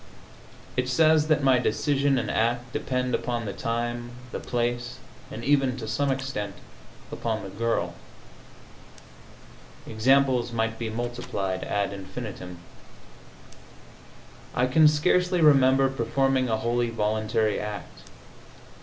It says that my decision and act depend upon the time, the place and even to some extent, upon the girl. Examples might be multiplied ad infinitum. I can scarcely remember performing a wholly voluntary act.